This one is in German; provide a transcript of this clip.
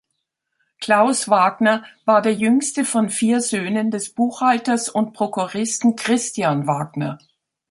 Klaus Wagner war der jüngste von vier Söhnen des Buchhalters und Prokuristen Christian Wagner.